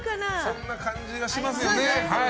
そんな感じがしますよね。